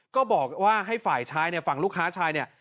ก็บอกว่าให้ฝ่ายชายเนี่ยฝั่งลูกค้าชายเนี่ย